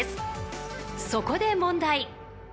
［そこで問題］